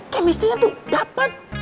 kemistrinya tuh dapet